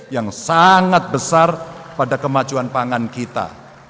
yang sangat besar pada kemajuan pangan kita